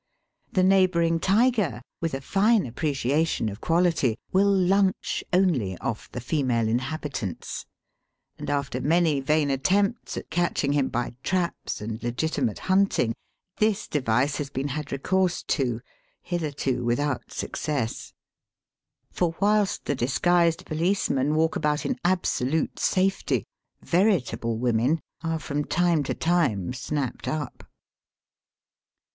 The neighbouring tiger, with a fine appreciation of quahty, will lunch only off the female inhabitants, and after many vain attempts at catching him by traps and legitimate hunting this device has been had recourse to, hitherto without success; for whilst the disguised policemen walk about in abso Digitized by VjOOQIC 236 EAST BY WEST, lute safety veritable women are from tirae to time snapped up.